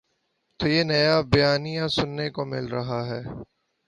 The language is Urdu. تو یہ نیا بیانیہ سننے کو مل رہا ہے۔